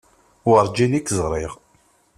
Werǧin i k-ẓriɣ.